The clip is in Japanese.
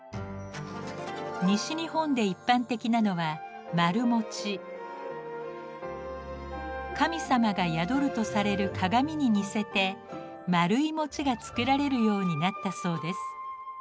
西日本で一般的なのは神様が宿るとされる鏡に似せて丸い餅が作られるようになったそうです。